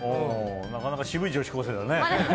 なかなか渋い女子高校生だね。